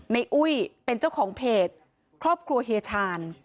อุ้ยเป็นเจ้าของเพจครอบครัวเฮียชาญ